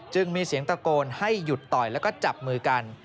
จึงมีเสียงตะโกนให้หยุดต่อยแล้วก็จับมือกัน